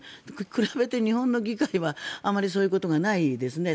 比べて日本の議会は、あまりそういうことがないですね。